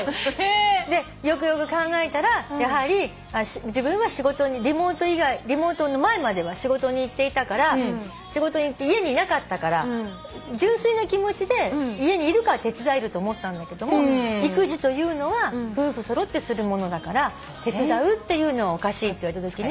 でよくよく考えたらやはり自分はリモートの前までは仕事に行っていたから仕事に行って家にいなかったから純粋な気持ちで家にいるから手伝えると思ったんだけども育児というのは夫婦揃ってするものだから手伝うっていうのはおかしいって言われたときに。